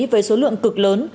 với số lượng cực lớn